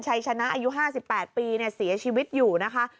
ชัยชนะอายุ๕๘ปีเสียชีวิตอยู่นะคะ